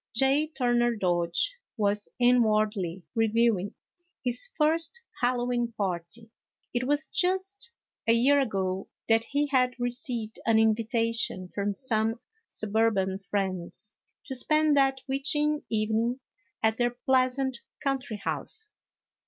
J. Turner Dodge was inwardly reviewing his first Hallowe'en party; it was just a year ago that he had received an invitation from some suburban friends to spend that witching evening at their pleasant country house.